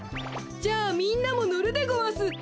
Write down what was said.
じゃあみんなものるでごわす。